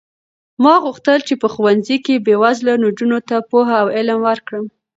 ما غوښتل چې په ښوونځي کې بې وزله نجونو ته پوهه او علم ورکړم.